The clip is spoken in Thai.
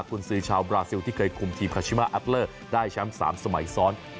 คุณซื้อชาวบราซิลที่เคยคุมทีมคาชิมาอัคเลอร์ได้แชมป์๓สมัยซ้อน